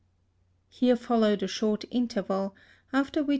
Here followed a short interval, after which M.